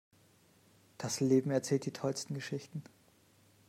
Das Leben erzählt die tollsten Geschichten.